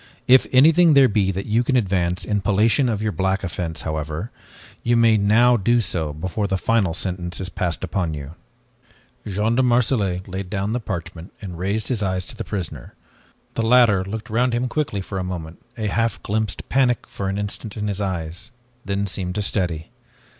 If anything there be that you can advance in palliation of your black offense, however, you may now do so before final sentence is passed upon you." Jean de Marselait laid down the parchment, and raised his eyes to the prisoner. The latter looked round him quickly for a moment, a half glimpsed panic for an instant in his eyes, then seemed to steady.